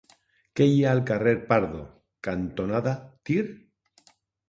Què hi ha al carrer Pardo cantonada Tir?